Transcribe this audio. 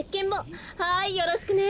はいよろしくね。